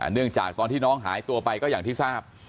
เนื่องจากตอนที่น้องหายตัวไปก็อย่างที่ทราบ